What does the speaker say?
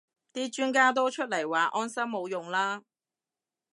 啲專家都出嚟話安心冇用啦